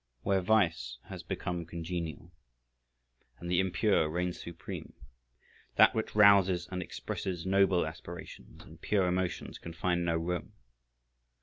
Where vice has become congenial and the impure reigns supreme, that which rouses and expresses noble aspirations and pure emotions can find no room.